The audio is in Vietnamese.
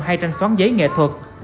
hay tranh xoắn giấy nghệ thuật